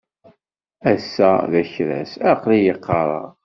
Ass-a d akras. Aql-iyi qqareɣ.